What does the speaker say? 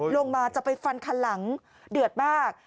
ลงมาจะไปฟันคันหลังเดือดมาก